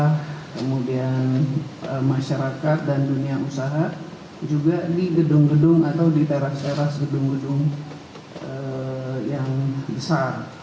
kemudian masyarakat dan dunia usaha juga di gedung gedung atau di teras teras gedung gedung yang besar